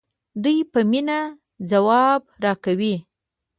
دوی په مینه ځواب راکوي.